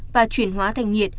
và chuyển hóa thành nhiệt